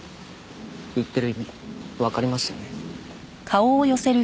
言ってる意味わかりますよね？